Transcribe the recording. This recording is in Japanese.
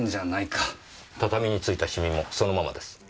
畳に付いた染みもそのままです。